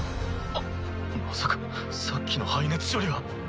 あっまさかさっきの排熱処理は。